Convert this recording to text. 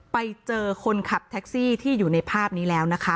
ไปเจอคนขับแท็กซี่ที่อยู่ในภาพนี้แล้วนะคะ